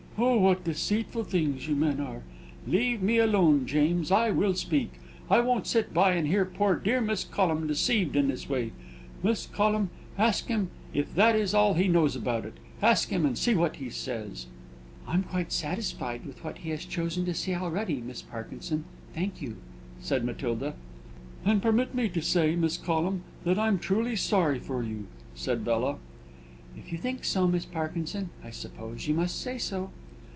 "Oh, what deceitful things you men are! Leave me alone, James; I will speak. I won't sit by and hear poor dear Miss Collum deceived in this way. Miss Collum, ask him if that is all he knows about it. Ask him, and see what he says." "I'm quite satisfied with what he has chosen to say already, Miss Parkinson; thank you," said Matilda. "Then permit me to say, Miss Collum, that I'm truly sorry for you," said Bella. "If you think so, Miss Parkinson, I suppose you must say so."